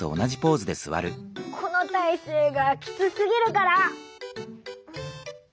このたいせいがきつすぎるから！